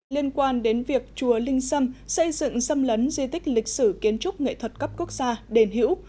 liên quan đến việc chùa linh sâm xây dựng xâm lấn di tích lịch sử kiến trúc nghệ thuật cấp quốc gia đền hữu